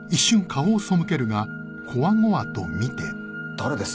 誰です？